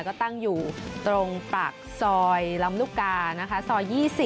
ก็ตั้งอยู่ตรงปากซอยลำลูกกานะคะซอย๒๐